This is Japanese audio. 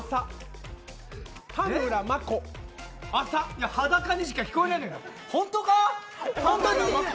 いや、裸にしか聞こえないのよ。